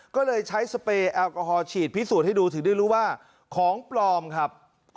ก็เลยใช้สเปรย์แอลกอฮอลฉีดพิสูจน์ให้ดูถึงได้รู้ว่าของปลอมครับ